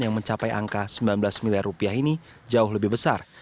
yang mencapai angka sembilan belas miliar rupiah ini jauh lebih besar